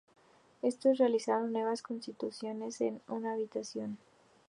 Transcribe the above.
Estos realizaron nuevas construcciones de uso habitacional.